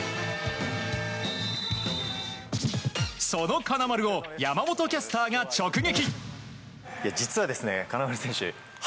その金丸を山本キャスターが直撃。